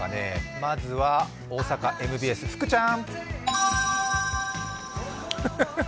まずは大阪ＭＢＳ・福ちゃん！